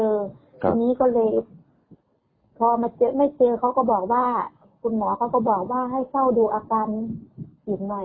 ทีนี้ก็เลยพอมาเจอไม่เจอเขาก็บอกว่าคุณหมอเขาก็บอกว่าให้เฝ้าดูอาการอีกหน่อย